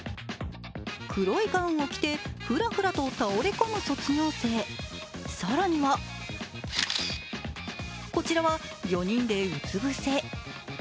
黒いガウンを着てふらふらと倒れ込む卒業生更には、こちらは４人でうつぶせ。